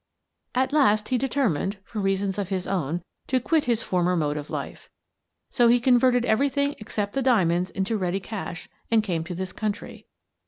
" At last he determined, for reasons of his own , to quit his former mode of life. So he converted everything except the diamonds into ready cash' and came to this country.